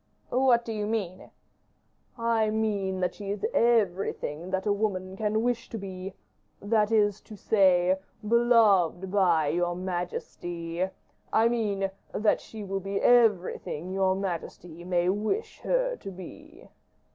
"What do you mean?" "I mean that she is everything that woman can wish to be that is to say, beloved by your majesty; I mean, that she will be everything your majesty may wish her to be."